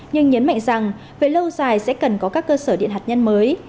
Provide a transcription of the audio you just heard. nhưng nhấn mạnh rằng về lâu dài sẽ cần có các cơ sở điện hạt nhân mới